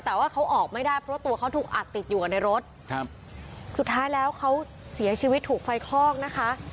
แต่ว่าเขาออกไม่ได้เพราะตัวเขาถูกอัดติดอยู่กันในรถครับสุดท้ายแล้วเขาเสียชีวิตถูกไฟคลอกนะคะ